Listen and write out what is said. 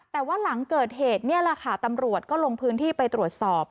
แต่ว่าหลังเกิดเหตุนี่แหละค่ะตำรวจก็ลงพื้นที่ไปตรวจสอบ